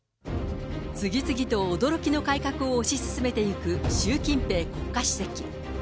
次々と驚きの改革を推し進めていく、習近平国家主席。